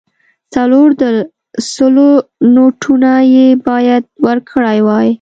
څلور د سلو نوټونه یې باید ورکړای وای.